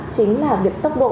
chính là việc tốc độ